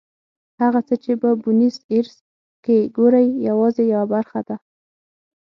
هغه څه چې په بونیس ایرس کې ګورئ یوازې یوه برخه ده.